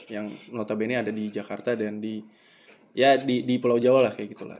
yang notabene ada di jakarta dan di pulau jawa lah kayak gitu lah